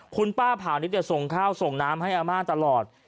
คุณป้าผานิดส่งข้าวส่งน้ำให้อาม่าตลอด